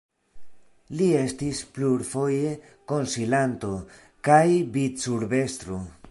Li estis plurfoje konsilanto, kaj vicurbestro.